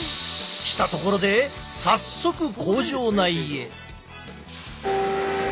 したところで早速工場内へ。